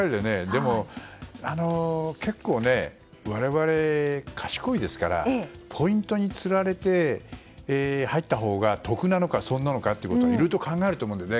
でも、結構、我々賢いですからポイントにつられて入ったほうが得なのか損なのかといろいろと考えると思う。